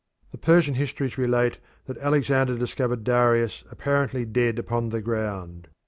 The Persian histories relate that Alexander discovered Darius apparently dead upon the ground.